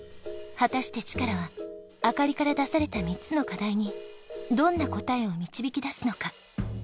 果たしてチカラは灯から出された３つの課題にどんな答えを導き出すのか？